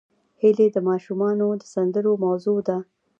هیلۍ د ماشومانو د سندرو موضوع ده